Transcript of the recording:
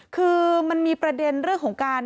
คือมันมีประเด็นเรื่องของการ